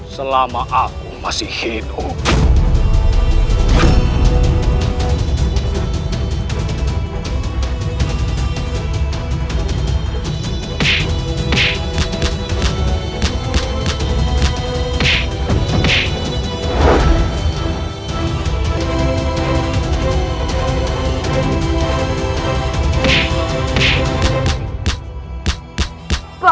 selama aku masih hidup